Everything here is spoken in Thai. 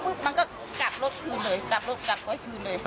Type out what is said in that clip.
กลับรถกลับไว้คืนเลย